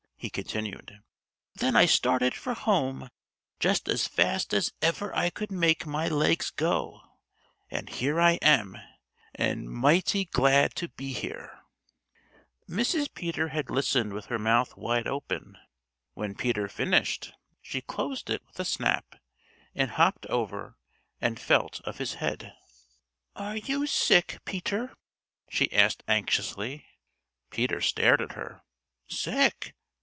he continued. "Then I started for home just as fast as ever I could make my legs go, and here I am, and mighty glad to be here!" Mrs. Peter had listened with her mouth wide open. When Peter finished, she closed it with a snap and hopped over and felt of his head. "Are you sick, Peter?" she asked anxiously. Peter stared at her. "Sick!